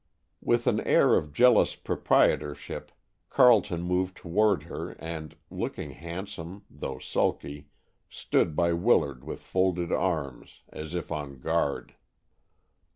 With an air of jealous proprietorship, Carleton moved toward her and, looking handsome, though sulky, stood by Willard with folded arms, as if on guard.